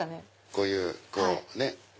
こういうこうね。